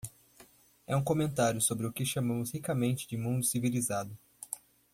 É um comentário sobre o que chamamos ricamente de mundo civilizado.